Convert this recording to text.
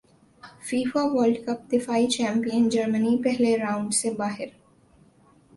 FIFA World Cup دفاعی champion جرمنی پہلے رانڈ سے ہی باہر